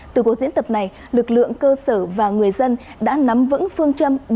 từ cuộc diễn tập này lực lượng cơ sở và người dân đã nắm vững phương châm